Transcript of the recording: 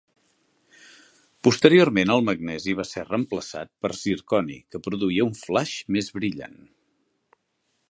Posteriorment, el magnesi va ser reemplaçat per zirconi, que produïa un flaix més brillant.